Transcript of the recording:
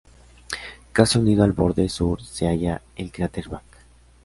Casi unido al borde sur se halla el cráter Back.